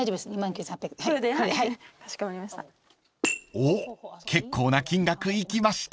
［おっ結構な金額いきました］